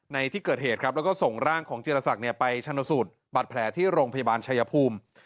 ในที่เกิดเหตุครับแล้วก็ส่งร่างของจิรศักดิ์ไปชนสูตรบัตรแผลที่โรงพยาบาลชายภูมิ